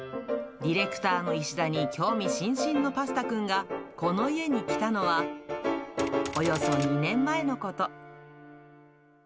ディレクターの石田に興味津々のパスタくんがこの家に来たのはおよそ２年前のこと。